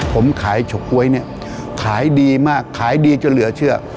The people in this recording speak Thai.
ผมขายเฉาก๊วยเนี่ยขายดีมากขายดีจนเหลือเชื่อ